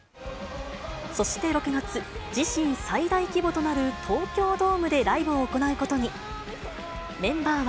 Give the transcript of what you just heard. そして６月、自身最大規模となる東京ドームでライブを行うことに。